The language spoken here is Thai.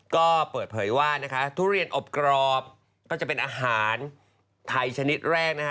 ก็เปิดเผยว่านะคะทุเรียนอบกรอบก็จะเป็นอาหารไทยชนิดแรกนะคะ